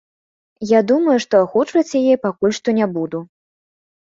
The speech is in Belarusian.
Я думаю, што агучваць яе пакуль што не буду.